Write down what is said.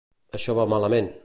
Això va malament.